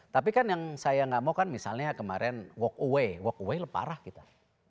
tapi kan yang saya nggak mau kan misalnya kemarin walk away walk away parah kita